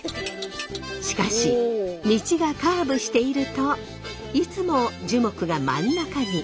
しかし道がカーブしているといつも樹木が真ん中に。